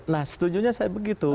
nah setuju saya begitu